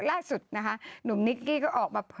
ล่าสุดนะคะหนุ่มนิกกี้ก็ออกมา